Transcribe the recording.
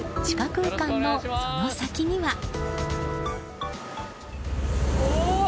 地下空間のその先には。